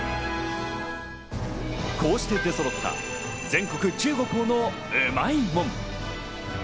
こうして出揃った全国１５校のうまいもん。